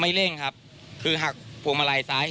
เร่งครับคือหักพวงมาลัยซ้าย